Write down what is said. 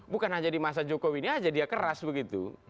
bukan hanya di masa jokowi ini aja dia keras begitu